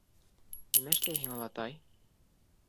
— Нимә эшләйһең, олатай?